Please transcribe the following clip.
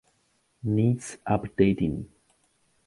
Needs updating